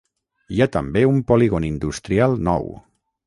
Hi ha també un polígon industrial nou.